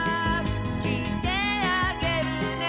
「きいてあげるね」